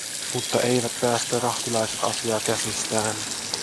Mutta eivät päästä rahtilaiset asiaa käsistään.